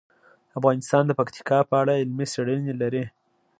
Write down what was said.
افغانستان د پکتیکا په اړه علمي څېړنې لري.